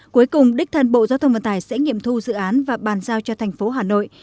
cuối cùng đích thân bộ giao thông vận tải sẽ nghiệm thu dự án và bàn giao cho thành phố hà nội